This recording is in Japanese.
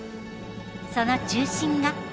その中心が。